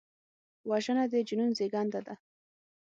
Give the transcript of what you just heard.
وژنه د جنون زیږنده ده